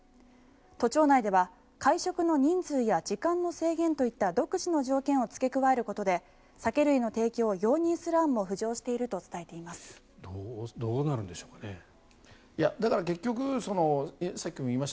都庁内では会食の人数や時間の制限といった独自の条件を付け加えることで酒類の提供を容認する案も浮上していると伝えています。